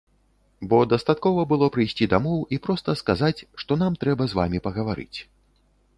Бо дастаткова было прыйсці дамоў і проста сказаць, што нам трэба з вамі пагаварыць.